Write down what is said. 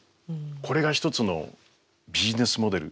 これが一つのビジネスモデル